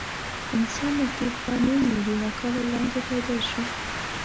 انسان نږدې دوه نیم میلیونه کاله وړاندې پیدا شو.